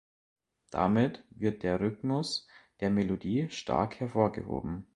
Damit wird der Rhythmus der Melodie stark hervorgehoben.